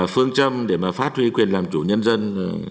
phương trâm để phát huy quyền làm chủ nhân dân